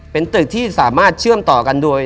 เป็นตึกที่สามารถเชื่อมต่อกันโดย